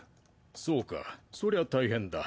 そうかそりゃ大変だ。